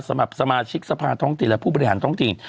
สำหรับสมาชิกสรรพารรษท้องตินและผู้บริหารท้องติน